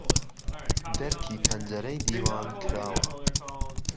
دهرکی پهنجهرەی دیوان کراوه